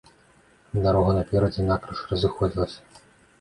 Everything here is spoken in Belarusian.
Дарога наперадзе накрыж разыходзілася.